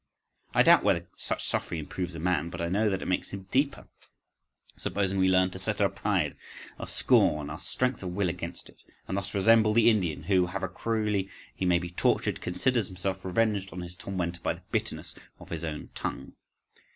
I doubt whether such suffering improves a man; but I know that it makes him deeper.… Supposing we learn to set our pride, our scorn, our strength of will against it, and thus resemble the Indian who, however cruelly he may be tortured, considers himself revenged on his tormentor by the bitterness of his own tongue.